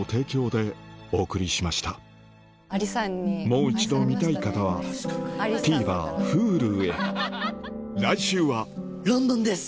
もう一度見たい方はＴＶｅｒＨｕｌｕへ来週はロンドンです！